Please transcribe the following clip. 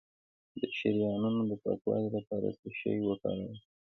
د شریانونو د پاکوالي لپاره څه شی وکاروم؟